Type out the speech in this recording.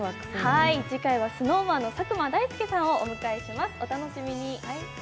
次回はＳｎｏｗＭａｎの佐久間大介さんをお迎えします、お楽しみに。